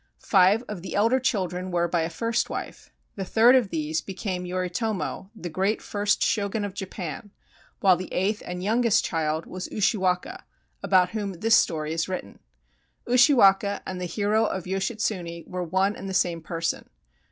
Five of the elder children were by a first wife. The third of these became Yoritomo, the great first Shogun of Japan, while the eighth and youngest child was Ushiwaka, about whom this story is written. Ushiwaka and the hero of Yoshitsune were one and the same person.